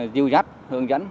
dưu dắt hướng dẫn